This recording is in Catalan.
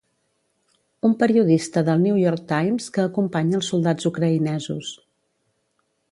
Un periodista del New York Times que acompanya els soldats ucraïnesos